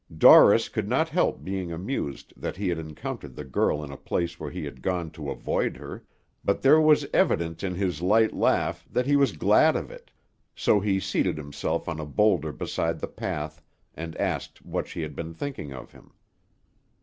Dorris could not help being amused that he had encountered the girl in a place where he had gone to avoid her, but there was evidence in his light laugh that he was glad of it; so he seated himself on a boulder beside the path, and asked what she had been thinking of him.